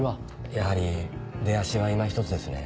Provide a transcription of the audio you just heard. やはり出足は今ひとつですね。